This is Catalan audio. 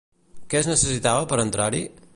Què es necessitava per entrar-hi?